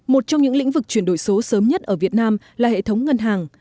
một trong những lĩnh vực chuyển đổi số sớm nhất ở việt nam là hệ thống ngân hàng